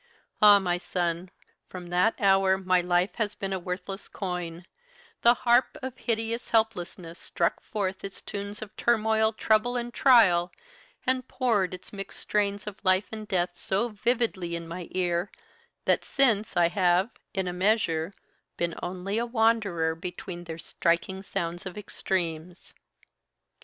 Ah! my son, from that hour my life has been a worthless coin, the harp of hideous helplessness struck forth its tunes of turmoil, trouble, and trial, and poured its mixed strains of life and death so vividly in my ear, that since I have, in a measure, been only a wanderer between their striking sounds of extremes.